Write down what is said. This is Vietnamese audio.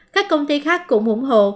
các công ty khác cũng ủng hộ